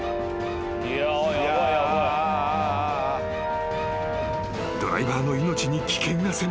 ［ドライバーの命に危険が迫る］